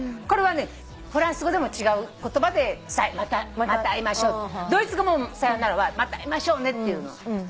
これはねフランス語でも違う言葉で「また会いましょう」ドイツ語も「さようなら」は「また会いましょうね」っていうの。